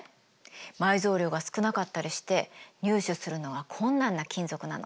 埋蔵量が少なかったりして入手するのが困難な金属なの。